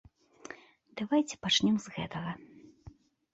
Давайце пачнём з гэтага.